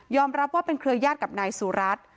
ยอมรับว่าเป็นเครือยาศกับนายสุรัส